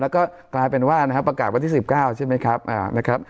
แล้วก็ปลายเป็นว่านะครับประกาศวันที่๑๙ครับ